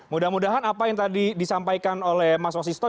mudah mudahan apa yang tadi disampaikan oleh mas wasisto